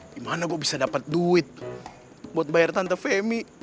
gimana gue bisa dapat duit buat bayar tante femi